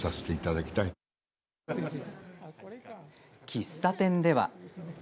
喫茶店では。